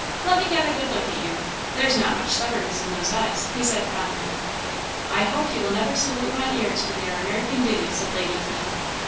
Let me have a good look at you there's not much stubbornness in those eyes," he said, fondly. "I hope you will never salute my ears with your American ditty," said Lady Keith.